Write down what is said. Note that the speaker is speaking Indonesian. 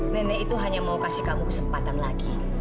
nenek itu hanya mau kasih kamu kesempatan lagi